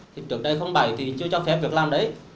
thì trước đây bảy thì chưa cho phép việc làm đấy